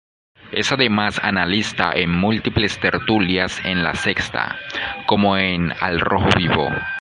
Es, además, analista en múltiples tertulias en la Sexta, como en "Al rojo vivo".